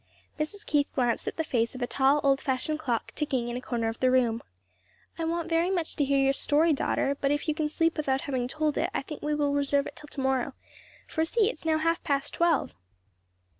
Mrs. Keith glanced at the face of a tall old fashioned clock ticking in a corner of the room. "I want very much to hear your story, daughter; but if you can sleep without having told it I think we will reserve it till to morrow; for see! it is now half past twelve."